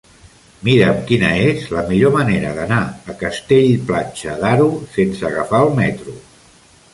Mira'm quina és la millor manera d'anar a Castell-Platja d'Aro sense agafar el metro.